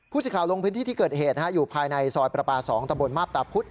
ผู้สินค้าลงพื้นที่ที่เกิดเหตุฮะอยู่ภายในซอยประปาสองตะบนมาปตาพุธ